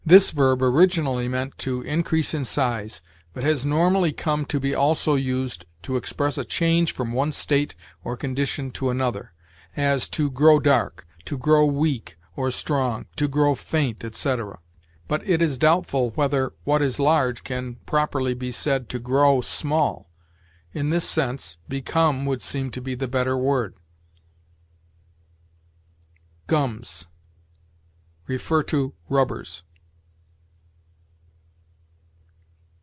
This verb originally meant to increase in size, but has normally come to be also used to express a change from one state or condition to another; as, to grow dark, to grow weak or strong, to grow faint, etc. But it is doubtful whether what is large can properly be said to grow small. In this sense, become would seem to be the better word. GUMS. See RUBBERS.